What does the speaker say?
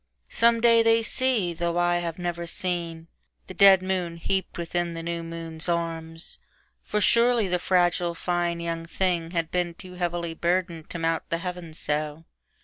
Some day they see, though I have never seen, The dead moon heaped within the new moon's arms; For surely the fragile, fine young thing had beenToo heavily burdened to mount the heavens so.